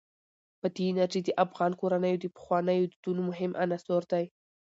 بادي انرژي د افغان کورنیو د پخوانیو دودونو مهم عنصر دی.